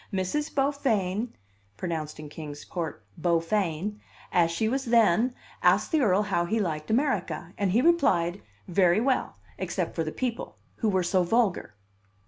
Miss Beaufain (pronounced in Kings Port, Bowfayne), as she was then, asked the Earl how he liked America; and he replied, very well, except for the people, who were so vulgar.